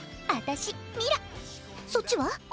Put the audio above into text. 私ミラそっちは？